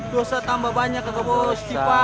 dosa tambah banyak kakak bos